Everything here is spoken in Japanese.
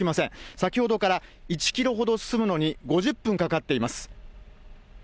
先ほどから、１キロほど進むのに５０分かかっています。